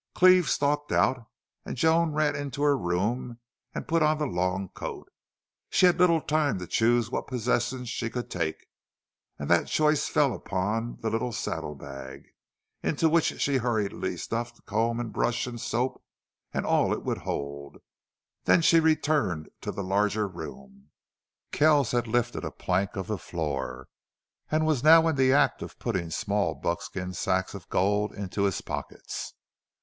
Cleve stalked out, and Joan ran into her room and put on the long coat. She had little time to choose what possessions she could take; and that choice fell upon the little saddle bag, into which she hurriedly stuffed comb and brush and soap all it would hold. Then she returned to the larger room. Kells had lifted a plank of the floor, and was now in the act of putting small buckskin sacks of gold into his pockets.